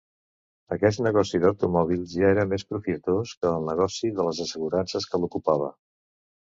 Aquest negoci d'automòbils ja era més profitós que el negoci de les assegurances que l'ocupava.